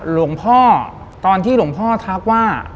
หลวงพ่อตอนที่หลวงพ่อทักว่า